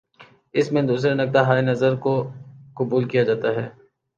اس میں دوسرے نقطہ ہائے نظر کو قبول کیا جاتا ہے۔